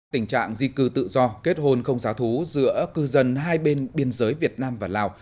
tình trạng di cư tự do kết hôn không giá thú giữa cư dân hai bên biên giới việt nam và lào